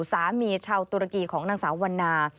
สามีชาวตุรกีของนางสาววันนา